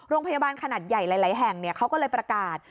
ขนาดใหญ่หลายแห่งเขาก็เลยประกาศ